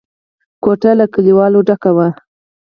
کوټه له کليوالو ډکه وه.